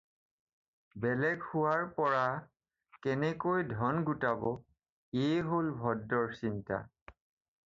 বেলেগ হোৱাৰ পৰা কেনেকৈ ধন গোটাব এয়ে হ'ল ভদ্ৰৰ চিন্তা।